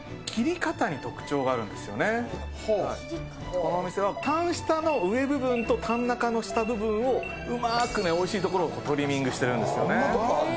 このお店はタン下の上部分と、タン中の下部分、うまくおいしいところをトリミングしているんですね。